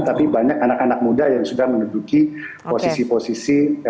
tapi banyak anak anak muda yang sudah menduduki posisi posisi